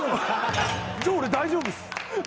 じゃあ俺大丈夫っす。